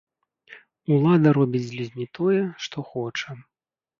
Улада робіць з людзьмі тое, што хоча.